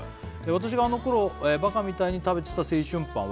「私があの頃バカみたいに食べてた青春パンは」